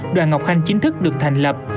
đoàn ngọc khanh chính thức được thành lập